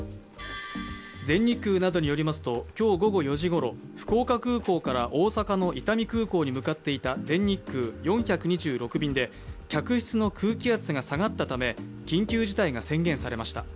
全日空などによりますと、今日午後４時ごろ、福岡空港から大阪の伊丹空港に向かっていた全日空４２６便で客室の空気圧が下がったため緊急事態が宣言されました。